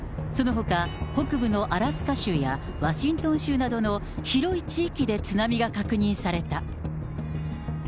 そのほか、北部のアラスカ州やワシントン州などの広い地域で津波が確認された。